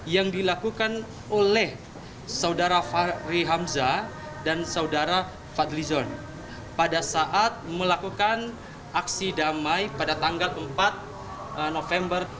yang dilakukan oleh saudara fahri hamzah dan saudara fadlizon pada saat melakukan aksi damai pada tanggal empat november